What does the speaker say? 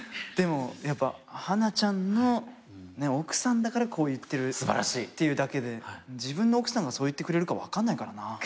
でもやっぱはなちゃんの奥さんだからこう言ってるっていうだけで自分の奥さんがそう言ってくれるか分かんないからな。